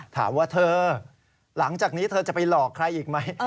ถามว่าเธอหลังจากนี้เธอจะไปหลอกใครอีกไหม